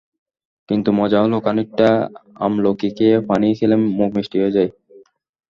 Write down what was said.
কিন্তু মজা হলো, খানিকটা আমলকী খেয়ে পানি খেলে মুখ মিষ্টি হয়ে যায়।